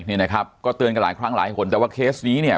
นี่นะครับก็เตือนกันหลายครั้งหลายคนแต่ว่าเคสนี้เนี่ย